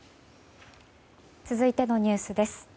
続いてのニュースです。